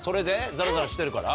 ザラザラしてるから？